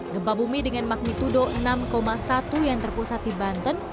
gempa bumi dengan magnitudo enam satu yang terpusat di banten